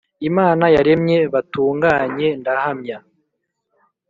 imana yaremye batunganye ndahamya